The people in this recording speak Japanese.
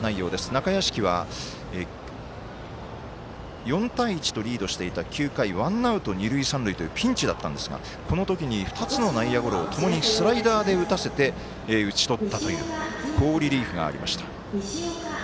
中屋敷は、４対１とリードしていた９回、ワンアウト二塁三塁というピンチだったんですがこの時の２つの内野ゴロをともにスライダーで打たせて打ち取ったという好リリーフがありました。